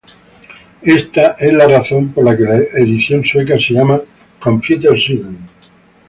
Esta es la razón por la que la edición sueca se llama "Computer Sweden".